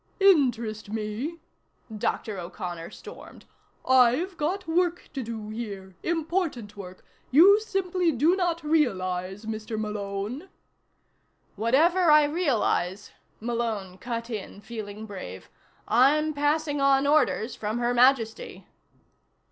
"Interest me?" O'Connor stormed. "I've got work to do here important work. You simply do not realize, Mr. Malone " "Whatever I realize," Malone cut in, feeling brave, "I'm passing on orders from Her Majesty."